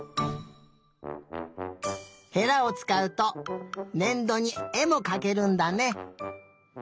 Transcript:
へらをつかうとねんどにえもかけるんだね。